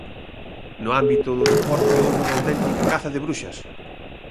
No ámbito do deportes houbo unha autentica caza de bruxas.